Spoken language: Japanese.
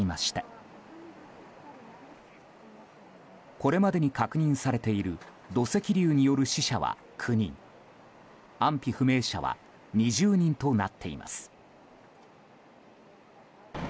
これまでに確認されている土石流による死者は９人安否不明者は２０人となっています。